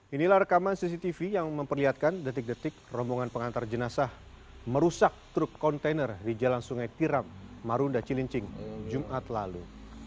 inilah rekaman cctv yang memperlihatkan detik detik rombongan pengantar jenazah merusak truk kontainer di jalan sungai tiram marunda cilincing jumat lalu